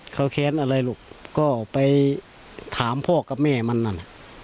เขาแค้นอะไรลูกก็ไปถามพ่อกับแม่มันนั่น